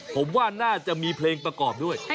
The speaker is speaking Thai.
ผมว่าน่าจะมีเพลงประกอบด้วย